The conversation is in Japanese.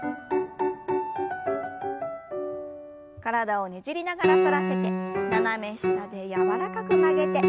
体をねじりながら反らせて斜め下で柔らかく曲げて。